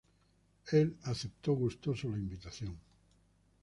Él aceptó gustoso la invitación.